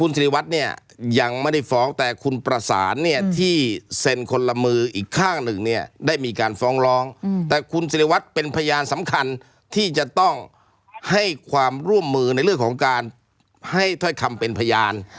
ยังไม่ได้ฟ้องแต่คุณประสานเนี่ยที่เซ็นคนละมืออีกข้างหนึ่งเนี่ยได้มีการฟ้องร้องแต่คุณศิริวัตรเป็นพยานสำคัญที่จะต้องให้ความร่วมมือในเรื่องของการให้ถ้อยคำเป็นพยาน